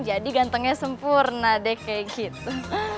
jadi gantengnya sempurna deh kayak gitu